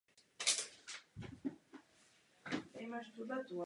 Později se stal radou a pak i předsedou senátu rakouského správního soudního dvora.